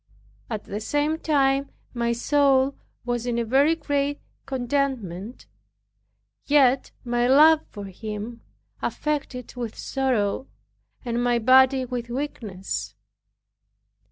At the same time my soul was in a very great contentment, yet my love for him affected it with sorrow, and my body with weakness.